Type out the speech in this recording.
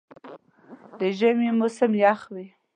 د ژمي موسم یخ وي.